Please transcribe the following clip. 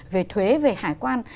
về thuế về hải quan